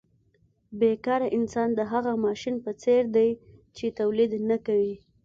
بې کاره انسان د هغه ماشین په څېر دی چې تولید نه کوي